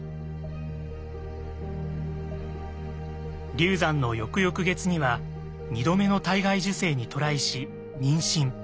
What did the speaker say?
流産の翌々月には２度目の体外受精にトライし妊娠。